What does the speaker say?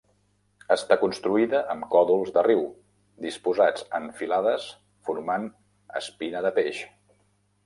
Està construïda amb còdols de riu, disposats en filades formant espina de peix.